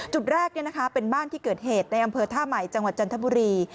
จุดแรกเป็นบ้านที่เกิดเหตุในอำเภอท่าใหม่จังหวัดจันทบุรี